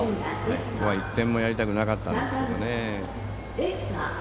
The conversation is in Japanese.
ここは１点もやりたくなかったんですけどね。